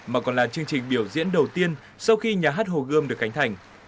mà còn là chương trình biểu diễn đầu tiên sau khi nhà hát hồ gươm được cánh thành